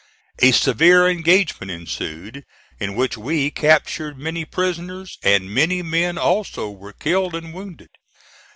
A severe engagement ensued, in which we captured many prisoners, and many men also were killed and wounded.